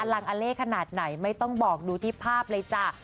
ลังอเล่ขนาดไหนไม่ต้องบอกดูที่ภาพเลยจ้ะ